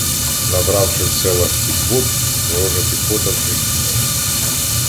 Набравши в селах підвод, ворожа піхота вже їхала.